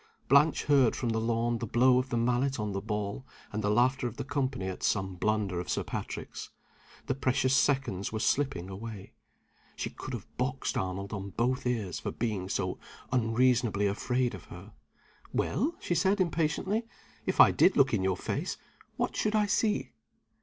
Blanche heard from the lawn the blow of the mallet on the ball, and the laughter of the company at some blunder of Sir Patrick's. The precious seconds were slipping away. She could have boxed Arnold on both ears for being so unreasonably afraid of her. "Well," she said, impatiently, "if I did look in your face, what should I see?"